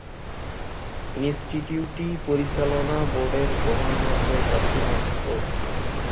ইনস্টিটিউটটি পরিচালনা বোর্ডের গভর্নরদের কাছে ন্যস্ত।